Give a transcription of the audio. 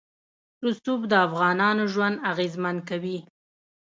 رسوب د افغانانو ژوند اغېزمن کوي.